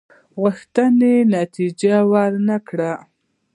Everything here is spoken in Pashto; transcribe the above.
غوښتنې نتیجه ورنه کړه.